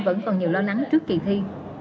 vẫn còn nhiều lo lắng trước kỳ thi